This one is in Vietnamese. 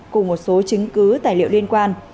cùng một số chứng cứ tài liệu liên quan